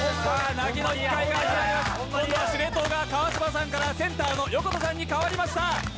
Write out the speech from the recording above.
今度は指令塔が川島さんからセンターの横田さんに代わりました。